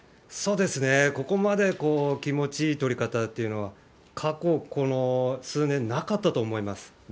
そうですね、ここまで気持ちいいとり方というのは、過去、この数年、なかったと思います。